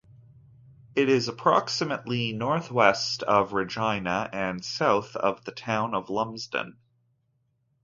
It is approximately northwest of Regina and south of the Town of Lumsden.